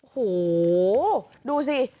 โหดูสิ